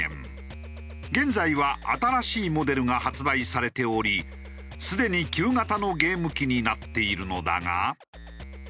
現在は新しいモデルが発売されておりすでに旧型のゲーム機になっているのだが。